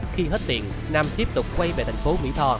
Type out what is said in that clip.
khi hết tiền nam tiếp tục quay về thành phố mỹ tho